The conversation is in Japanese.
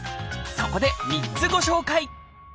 そこで３つご紹介！